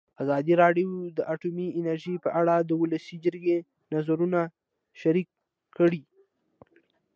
ازادي راډیو د اټومي انرژي په اړه د ولسي جرګې نظرونه شریک کړي.